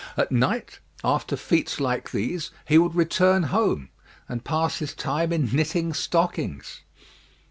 At night, after feats like these, he would return home, and pass his time in knitting stockings.